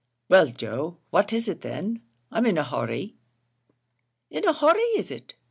"Well, Joe, what is it then? I'm in a hurry." "In a hurry is it?